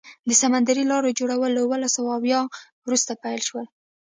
د سمندري لارو جوړول له اوولس سوه اویا وروسته پیل شو.